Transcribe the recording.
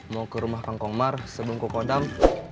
mau ke rumah kang kongmar sebelum ke kodam